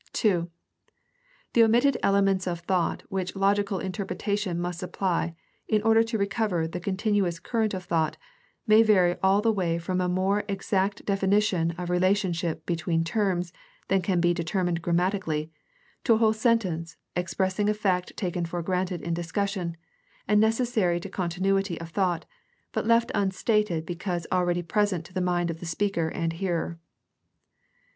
(2) The omitted elements of thought which logical inter pretation must supply in order to recover the continuous cur rent of thought may vary all the way from a more exact definition of relationship between terms than can be deter mined grammatically, to a whole sentence, expressing a fact taken for granted in discussion, and necessary to continuity of thought, but left unstated because already present to the mind of speaker and hearer.